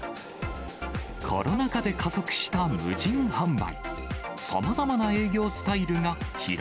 コロナ禍で加速した無人販売。